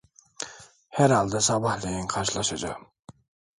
Herhalde sabahleyin karşılaşacağım.